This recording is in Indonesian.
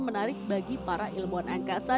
menarik bagi para ilmuwan angkasa